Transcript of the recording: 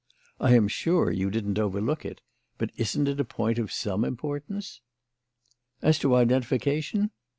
I am sure you didn't overlook it, but isn't it a point of some importance?" "As to identification?